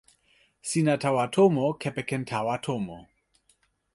sina tawa tomo kepeken tawa tomo.